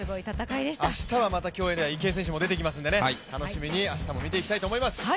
明日はまた競泳では池江選手も出てきますので楽しみに明日も見ていきたいと思います。